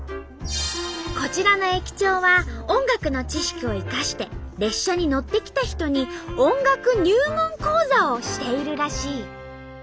こちらの駅長は音楽の知識を生かして列車に乗ってきた人に「音楽入門講座」をしているらしい。